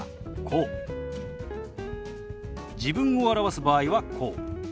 自分を表す場合はこう。